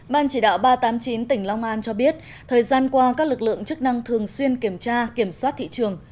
ban chỉ đạo ba trăm tám mươi chín tỉnh long an cho biết thời gian qua các lực lượng chức năng thường xuyên kiểm tra kiểm soát thị trường